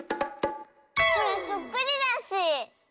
ほらそっくりだし！